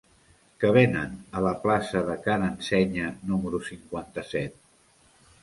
Què venen a la plaça de Ca n'Ensenya número cinquanta-set?